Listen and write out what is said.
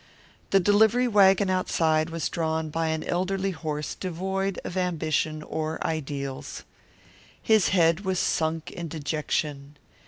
The delivery wagon outside was drawn by an elderly horse devoid of ambition or ideals. His head was sunk in dejection.